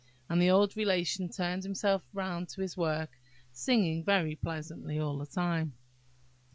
And the old Relation turned himself round to his work, singing very pleasantly all the time.